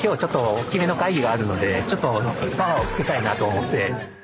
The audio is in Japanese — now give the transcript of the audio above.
大きめの会議があるのでちょっとパワーをつけたいなと思って。